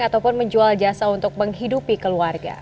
ataupun menjual jasa untuk menghidupi keluarga